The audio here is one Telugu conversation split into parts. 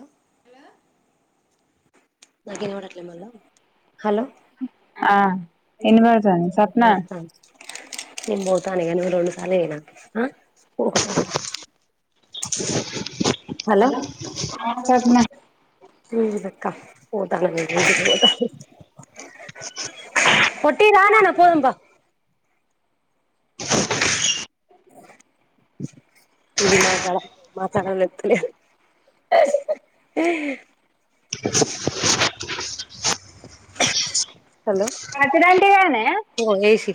అ హలో నాకు ఇనబడ అట్లే మళ్ళా హలో ఆ ఇనబడతా అంది. స్వప్నా నేన్ బోతాఅనేగానీ రెండు సార్లే ఏ నా ఆ హలో ఏమ్ చేప్ మా ఇద అక్కా పోత [unintelligible] పోట్టి రానా అనా పోదుమ్ పా ఇది మా చాల మా చాలా లేత్తు లే [inaudible] ఆహ్ హలో అటుదంటిగానే ఇగో ఏసీ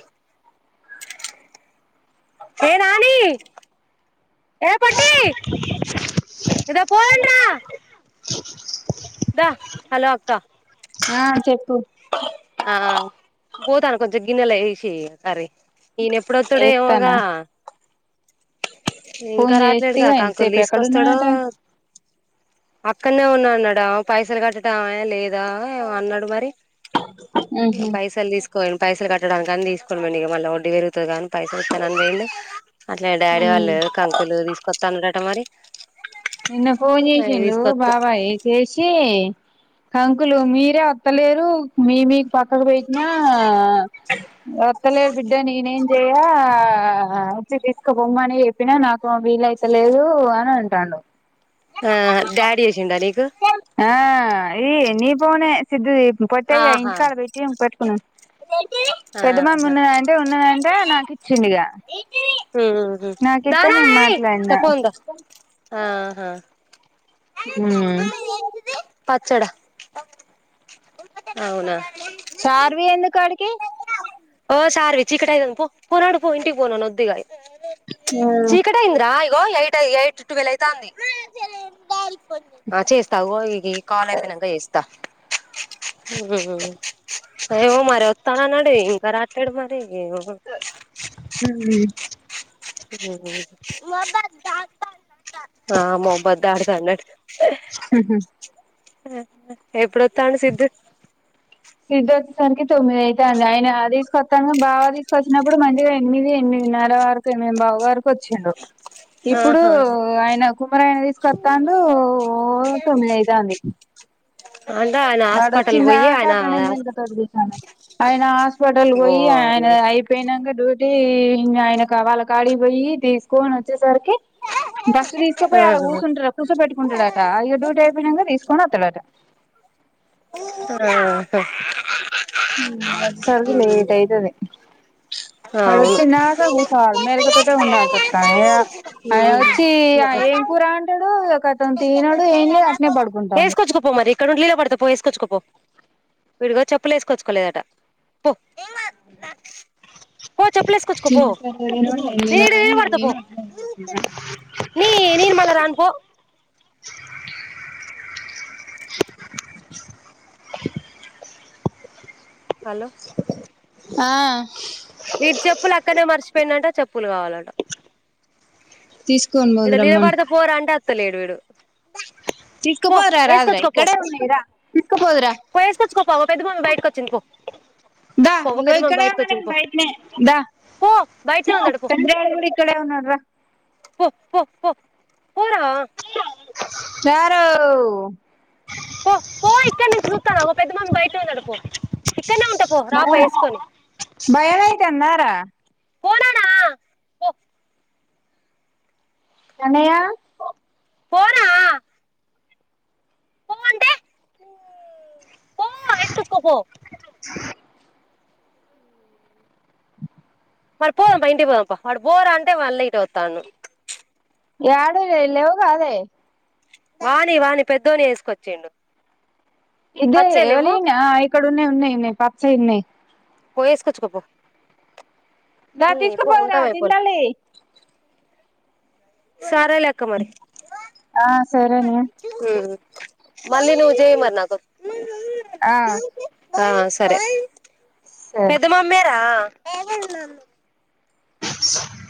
హే నానీ ఏ పొట్టి ఇదో పొండ్రా దా హలో అక్క ఆ చెప్పు ఆ పోతాన కొంచెం గిన్నెలు వేసి ఇయ్యి కర్రీ ఈయన ఏప్పుడొత్తడో ఎస్తానా ఏమోగా ఇంకా ఫోన్ రాట్లేడుగా చేస్తేగా కాంకులు ఇంతసేపు తీసుకొస్తాడో ఎక్కడున్నాడట అక్కనే ఉన్నా అన్నాడా పైసలు కట్టడం లేదా అన్నాడు మరి పైసలు తీసుకపోయిండు పైసలు కట్ట డానికి అనీ తీసుకోని పోయిండు ఇక మళ్ల వడ్డీ పెరుగుతదని గదా అని పైసలు ఇస్తా అని పోయిండు అట్లే డాడీ వాళ్ళ కంకులు తీసుకొత్తా అన్నారట మరీ నిన్న ఫోన్ చేసిండు బాబాయ్ చేసి కంకులు మీరే అత్తలేరు మీయ్యి మీకు పక్కకు పోట్టిన వత్తలేరు బిడ్డ నేనేం చెయ్య ఆ వచ్చి తీసుకపొమ్మని చెప్పినా నాకేమో వీలయితలేదు అని అంటండు ఆ డాడీ చేసిండా నీకు ఆ ఈ నీ ఫోనే సిద్దు ఆహా ఇంటికాడ పెట్టేయ్ ఇ పెట్టుకున్నడు పెద్దమమ్మి ఆహా ఉన్నదా అంటే ఉన్నదంటే నాకు ఇచ్చిండు ఇగ మ్మ్ దా నాకిత్తే నాని నేను ఏయ్ మాట్లాడినా మ్మ్ హ్ పచ్చడా అవునా షార్వి ఎందుకు ఆడికి షార్వి చీకటి ఐతంది పో నడువు పొ ఇంటికిపో ఒద్ది ఇగా చీకటయింది రా ఇగో ఎయిట్ ట్వల్ అయితంది ఆ చేస్తా ఇ కాల్ అయిపోయినంకా చేస్తా ఏమో మరి వస్తాన అని అన్నాడు ఇంకా రాట్లేడు మరి మ్మ్ మ్మ్ హ్ ఆ కబడ్డీ ఆడుతాండు మ్మ్ హ్హ్ ఎప్పుడోత్తండు సిద్దు సిద్ధు వచ్చేసరికి తొమ్మిది అయితంది ఆయన తీసుకొత్తంగా బాగా తీసుకొచ్చినప్పుడు మంచి ఎనిమిది ఎనిమిది నర వరకు ఎనిమిది బావువరకు వచ్చిండు ఇప్పుడు ఆహా ఆయన కుమ్మరైనా తీసుకొస్తాండు ఓ తొమ్మిదియితంది అంటే ఆయన వాడు హాస్పిటల్ పోయి ఆయన వచ్చిందాకట్లనే మేలిక తోటి కుసొవాలె ఆయన హాస్పిటల్కి పోయి ఆయన ఓర్ని అయి పోయినంక డ్యూటీ ఆయన వాళ్ళ కాడి పోయి తీసుకని వచ్చేసరికి బస్సు తీసుకుపోయి అలా ఆహా కూసుండి కుసోపెట్టుకుంటడాటా ఇగ డ్యూటి అయిపోయినంకా తీసు కోస్తాడంట మ్మ్ హ్ మేమ్ వచ్చేసరికి లేట్ అయితది ప్చ్ వాడు అవును వచ్చిదాంక కుసోవాలి మేలుకతోటి ఉండల్సి వత్తంది వాడు వచ్చి ఏం కూర అంటాడు ఒక అతను తినడు ఏం లేదు అట్లనే పడుకుంటాడు వేసుకొచ్చుకోపో మరి ఇక్కడ నుండి లీల పడితే పో వేసుకోచ్చుకో పో వీడు చెప్పులు వేసుకొచ్చుకోలేదట పొ పో చెప్పులు వేసుకొచ్చుకోపో తినడు ఏం తినడు నీడనే అని ఇగ నిలబడ్తా పొ నేను అట్నే నేను మల్లా రాను పొ ంట హలో ఆ వీడి చెప్పులు అక్కనే మర్చిపోయిండంట చెప్పులు కావాలట తీసుకొని ఇడ పోదురమ్మను నిలబడుతా పోరా అంటే వత్తలేడు వీడు పో తీస్కుపోదు రారాదురా వేసుకొచ్చుకో ఇక్కడే ఉన్నాయిరా తీసుకుపొదువురా పోయి వేసుకోచ్చుకో పొ పెద్దమమ్మి బయటకు వచ్చింది పో దా పో ఇగ పెద్ద మమ్మీ ఇక్కడ బయటకు ఉన్న వచ్చింది నేను పో భయ‌. దా పో బయటనే ఉందట పో పెద్ద డాడీ కూడా ఇక్కడే ఉన్నాడు దా. పో పో పో పోరా. సారు. పో పో. ఇక్కడ ను చూస్తానవ్ అగొ పెద్ద మమ్మీ బయటనె ఉందంట పో ఇక్కడనే ఉంట పో రాపో వేసుకొని. గ్గాయ్ తొందరగా. పోనానా పో. కన్నయ్య. పోరా. పో అంటే పో అడ ఏసుకొచ్చుకో పో. మరి పోదాం పా ఇంటికి పోదాం పా వాడు పోరా అంటే మళ్ళీ ఇదే వస్తాండు. ఎడ లే ఇ లేవుఉ గదే. వాని వాని పెద్దోని వేసుకొచ్చిండు. ఇదే పచ్చయి లేవ్వు ఎవరలియ్ ఇక్కడన్న ఉన్నాయి పచ్చయ్ ఉన్నాయి. పోయేసుకోప్పు దా పో తీసుకుపోదురా ఉంటాం మై ఫో. తింటాలి సరేలే అక్క మరి. ఆ సరేనే ఉమ్. మళ్లీ నువ్వు చెయ్ మరి నాకు. ఆ. ఆ సరే సరే పెద్ద మమ్మీరా.